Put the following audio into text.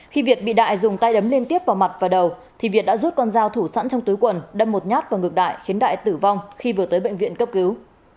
khi việt bị đại dùng tay đấm liên tiếp vào mặt và đầu thì việt đã rút con dao thủ sẵn trong túi quần đâm một nhát vào ngược đại khiến đại tử vong khi vừa tới bệnh viện cấp cứu